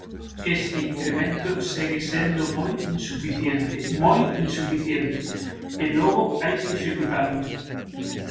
Este incremento segue sendo moi insuficiente, ¡moi insuficiente!, e logo hai que executalo.